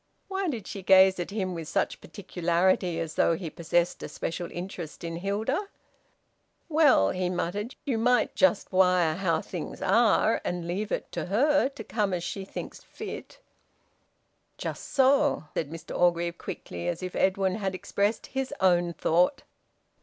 Why did she gaze at him with such particularity, as though he possessed a special interest in Hilda? "Well " he muttered. "You might just wire how things are, and leave it to her to come as she thinks fit." "Just so," said Mr Orgreave quickly, as if Edwin had expressed his own thought.